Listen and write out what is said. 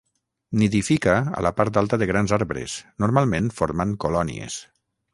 Nidifica a la part alta de grans arbres, normalment formant colònies.